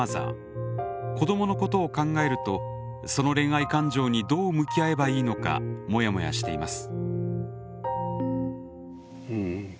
子どものことを考えるとその恋愛感情にどう向き合えばいいのかモヤモヤしています。